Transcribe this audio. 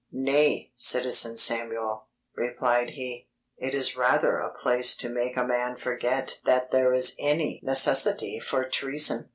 "Nay! Citizen Samuel," replied he, "it is rather a place to make a man forget that there is any necessity for treason!"